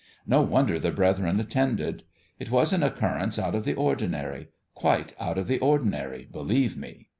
No wonder the brethren attended. It was an occurrence out of the or dinary quite out of the ordinary, believe me.